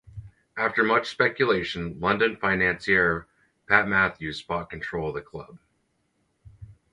After much speculation London financier Pat Matthews bought control of the club.